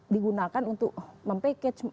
digunakan untuk mempakej